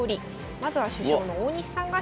まずは主将の大西さんが勝利。